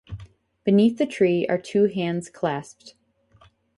Beneath the tree are two hands clasped.